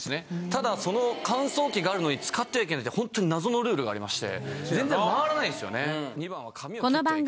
ただその乾燥機があるのに使ってはいけないってホントに謎のルールがありまして。